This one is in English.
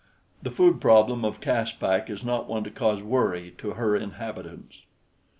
The food problem of Caspak is not one to cause worry to her inhabitants.